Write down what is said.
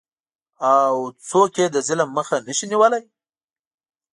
او څوک یې د ظلم مخه نشي نیولی؟